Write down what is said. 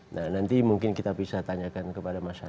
nah nanti mungkin kita bisa tanyakan kepada mas hasyim